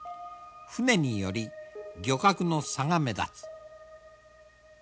船により漁獲の差が目立つ。